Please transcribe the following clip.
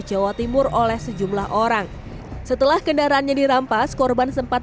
jawa timur oleh sejumlah orang setelah kendaraannya dirampas korban sempat